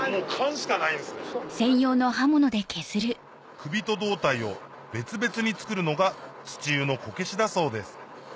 首と胴体を別々に作るのが土湯のこけしだそうです